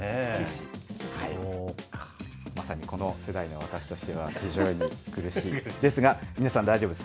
まさにこの世代の私としては非常に苦しい、ですが皆さん、大丈夫です。